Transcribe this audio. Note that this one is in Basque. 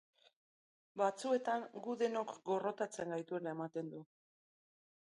Batzuetan, gu denok gorrotatzen gaituela ematen du.